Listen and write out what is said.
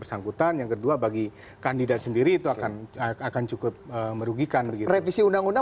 bersangkutan yang kedua bagi kandidat sendiri itu akan akan cukup merugikan revisi undang undang